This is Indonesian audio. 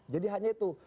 jadi hanya itu